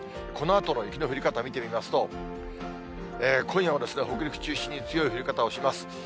このあとの雪の降り方、見てみますと、今夜は北陸中心に強い降り方をします。